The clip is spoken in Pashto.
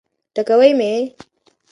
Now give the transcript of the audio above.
ټکوي مي.